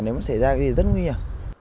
nếu mà xảy ra gì thì rất nguy hiểm